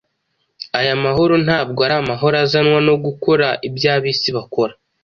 Aya mahoro ntabwo ari amahoro azanwa no gukora ibyo ab’isi bakora